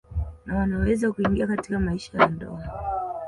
Na wanaweza kuingia katika maisha ya ndoa